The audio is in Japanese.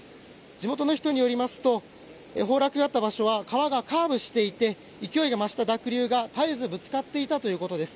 地元の人によりますと崩落があった場所は川がカーブしていて勢いが増した濁流が絶えずぶつかっていたということです。